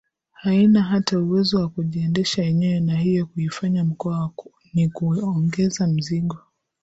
haina hata uwezo wa kujiendesha yenyewe na hivyo kuifanya mkoa ni kuongeza mzigo